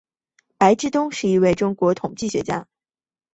白志东是一位中国统计学家。